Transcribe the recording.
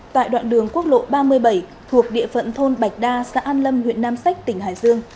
tại đoạn đường quốc lộ ba mươi bảy thuộc địa phận thôn bạch đa xã an lâm huyện nam sách tỉnh hải dương